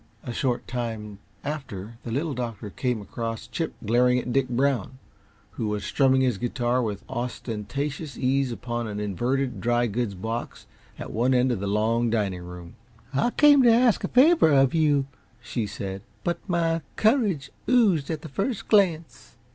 A short time after, the Little Doctor came across Chip glaring at Dick Brown, who was strumming his guitar with ostentatious ease upon an inverted dry goods box at one end of the long dining room. "I came to ask a favor of you," she said, "but my courage oozed at the first glance."